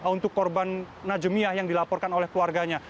untuk korban najemiah yang dilaporkan oleh keluarganya